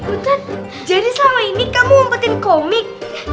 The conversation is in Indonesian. butet jadi selama ini kamu mumpetin komik